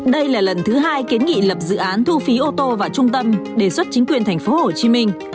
đây là lần thứ hai kiến nghị lập dự án thu phí ô tô vào trung tâm đề xuất chính quyền tp hcm